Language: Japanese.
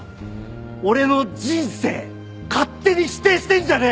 俺の人生勝手に否定してんじゃねえ！